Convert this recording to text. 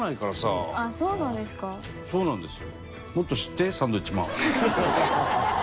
伊達：そうなんですよ。